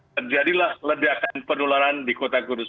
terjadilah ledakan penularan di kota kudus